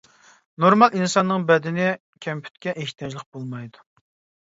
نورمال ئىنساننىڭ بەدىنى كەمپۈتكە ئېھتىياجلىق بولمايدۇ.